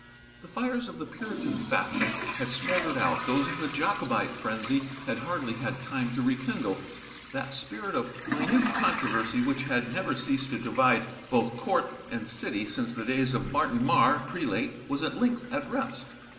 The fires of the Puritan faction had smouldered out; those of the Jacobite frenzy had hardly had time to rekindle. That spirit of minute controversy which had never ceased to divide both court and city since the days of Martin Mar prelate was at length at rest.